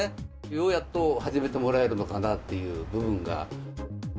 ようやっと始めてもらえるのかなという部分が。